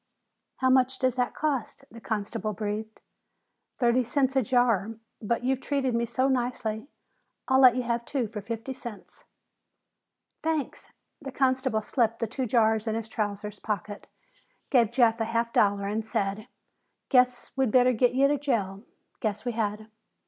"How much does that cost?" the constable breathed. "Thirty cents a jar, but you've treated me so nicely, I'll let you have two for fifty cents." "Thanks." The constable slipped the two jars into his trousers pocket, gave Jeff a half dollar, and said, "Guess we'd better get to jail." "Guess we had."